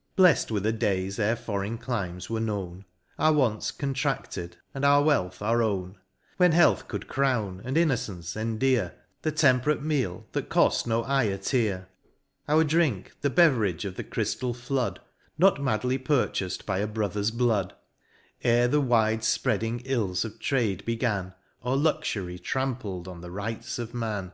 —— Bleft were the days ere Foreign Climes were known, Our wants contraded, and our wealth our own ; When Health could crown, and Innocence endear, The temperate meal, that coft no eye a tear : Our drink, the beverage of the chryftal flood, — Not madly purchas'd by a brother's blood — Ere the wide fpreading ills of Trade began, Or Luxury trampled on the rights of Man.